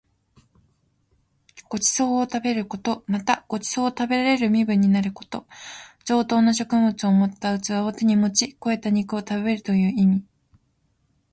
ご馳走を食べること。また、ご馳走を食べられる身分になること。上等な食物を盛った器を手に持ち肥えた肉を食べるという意味。